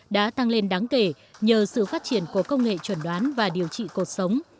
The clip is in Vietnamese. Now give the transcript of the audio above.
đã tăng lên đáng kể nhờ sự phát triển của công nghệ trần đoán và điều trị cuộc sống